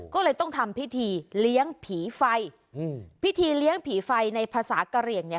ก็เลยต้องทำพิธีเลี้ยงผีไฟอืมพิธีเลี้ยงผีไฟในภาษากะเหลี่ยงเนี่ย